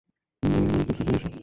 মেই-মেই, প্রস্তুত হয়ে এসো।